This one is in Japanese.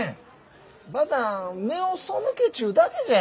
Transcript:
ばあさん目をそむけちゅうだけじゃ。